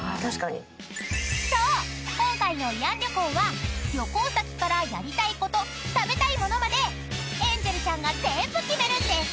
今回の慰安旅行は旅行先からやりたいこと食べたい物までエンジェルちゃんが全部決めるんです］